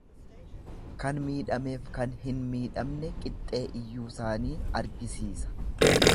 Kan miidhameef kan hin miidhamne qixxee iyyuusaanii argisiisa.